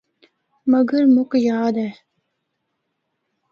مگر مُک یاد اے۔